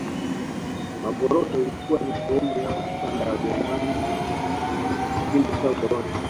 magoroto ilikuwa ni sehemu ya mashamba ya wajerumani kipindi cha ukoloni